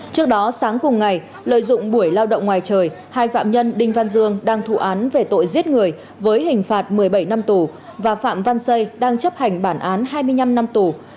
trước đó sáng cùng ngày lợi dụng buổi lao động ngoài trời hai phạm nhân đinh văn dương đang thụ án về tội giết người với hình phạt một mươi bảy năm tù và phạm văn xây đang chấp hành bản án hai mươi năm năm tù